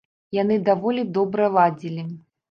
Яны даволі добра ладзілі.